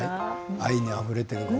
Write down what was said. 愛にあふれている。